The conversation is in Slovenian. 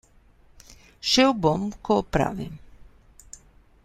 Šel bom, ko opravim.